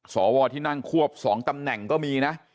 สวที่นั่งควบ๒ตำแหน่งก็มีนะ